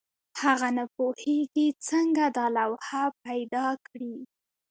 هغه نه پوهېږي څنګه دا لوحه پیدا کړي.